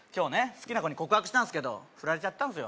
好きな子に告白したんすけどフラれちゃったんすよ